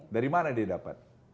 dari mana dia dapat